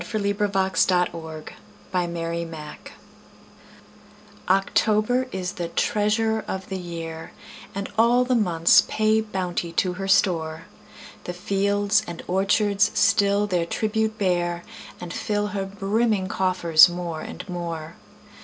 Paul Laurence Dunbar October OCTOBER is the treasurer of the year, And all the months pay bounty to her store: The fields and orchards still their tribute bear, And fill her brimming coffers more and more.